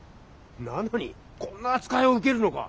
なのにこんな扱いを受けるのか？